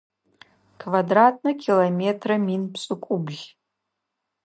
Квадратнэ километрэ мин пшӏыкӏубл.